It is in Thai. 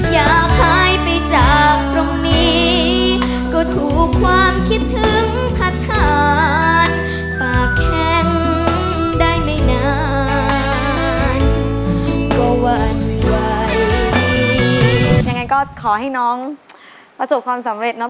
อย่างนั้นก็ขอให้น้องประสบความสำเร็จเนอะ